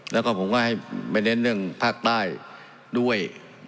แล้วก็ผมก็ให้ไปเน้นเรื่องภาคใต้ด้วย